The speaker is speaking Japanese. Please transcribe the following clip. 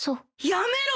やめろ！